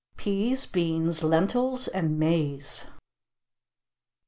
PEAS, BEANS, LENTILS, AND MAIZE.